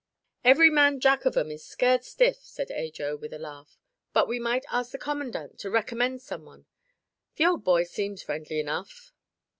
"Every man jack of 'em is scared stiff," said Ajo, with a laugh. "But we might ask the commandant to recommend someone. The old boy seems friendly enough."